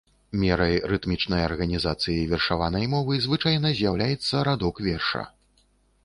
Мерай рытмічнай арганізацыі вершаванай мовы звычайна з'яўляецца радок верша.